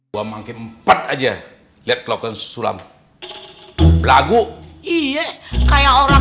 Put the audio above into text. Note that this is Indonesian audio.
umi yakin tuh preman preman